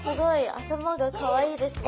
頭がかわいいですね。